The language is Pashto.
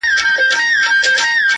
لار به څرنګه مهار سي د پېړیو د خونیانو!